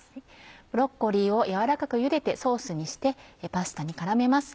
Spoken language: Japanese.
ブロッコリーを軟らかくゆでてソースにしてパスタに絡めます。